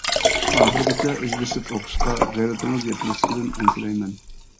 ئاخىرىغىچە ئىز بېسىپ ئوقۇشقا غەيرىتىڭىز يەتمەسلىكىدىن ئەنسىرەيمەن.